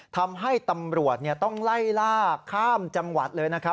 ทำให้ตำรวจต้องไล่ล่าข้ามจังหวัดเลยนะครับ